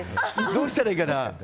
どうしたらいいかな。